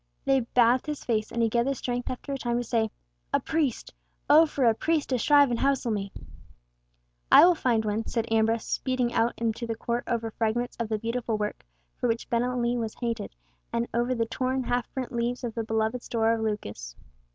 They bathed his face and he gathered strength after a time to say "A priest!—oh for a priest to shrive and housel me." "I will find one," said Ambrose, speeding out into the court over fragments of the beautiful work for which Abenali was hated, and over the torn, half burnt leaves of the beloved store of Lucas.